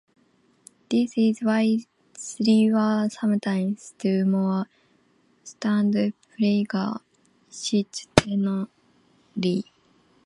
This is why there were sometimes two or more "Stadtpfleger" simultaneously.